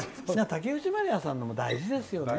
竹内まりやさんのも大事ですよね。